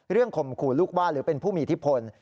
๒เรื่องข่มขู่ลูกบ้านหรือเป็นผู้มีที่ผล